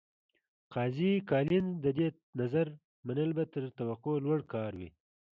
قاضي کالینز د دې نظر منل به تر توقع لوړ کار وي.